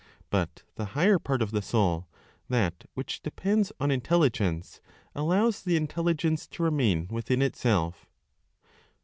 But the higher part of the Soul, that which depends on Intelligence, allows the Intelligence to remain within itself....